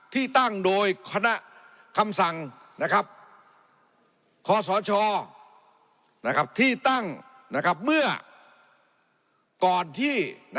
ที่ตั้งโดยคณะคำสั่งคศที่ตั้งเมื่อก่อนที่